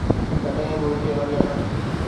ڪڏهن به هتي وڃڻ